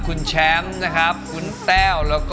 คุณแชมป์นะครับคุณแต้ว